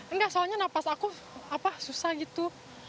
enggak soalnya napas aku susah gitu